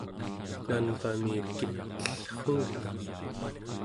nanvami kit'ellruunga